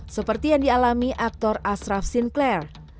seperti yang dialami aktor ashraf sinclair